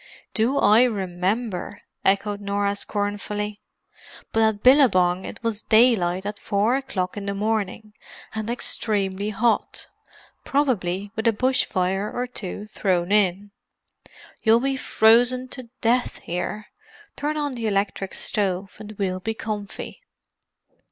"Do I remember!" echoed Norah scornfully. "But at Billabong it was daylight at four o'clock in the morning, and extremely hot—probably with a bush fire or two thrown in. You'll be frozen to death here. Turn on the electric stove, and we'll be comfy."